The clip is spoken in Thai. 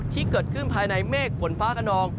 ที่เกิดขึ้นภายในเมฆฝนฟ้าขนอง